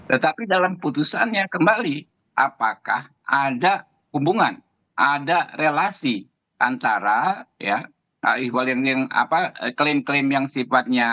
tetapi dalam putusannya kembali apakah ada hubungan ada relasi antara ya ah ihwal yang apa klaim klaim yang sifatnya